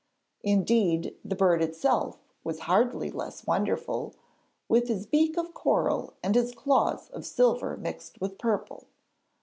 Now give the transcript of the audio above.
Indeed, the bird itself was hardly less wonderful, with his beak of coral and his claws of silver mixed with purple.